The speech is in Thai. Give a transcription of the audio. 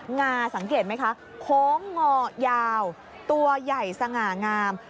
งาสังเกตไหมคะโค้งงอยาวตัวใหญ่สง่างาม